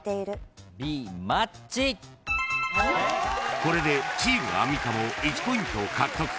［これでチームアンミカも１ポイント獲得］